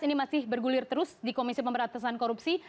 ini masih bergulir terus di komisi pemberantasan korupsi